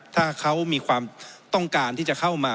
ถ้าเขามีความต้องการที่จะเข้ามา